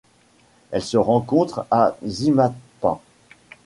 Elle se rencontre à Zimapán.